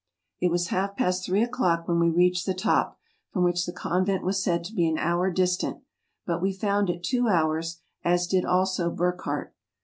It was half past three o'clock when we reached the top, from which the convent was said to be an hour distant, but we found it two hours, as did also Burckhardt.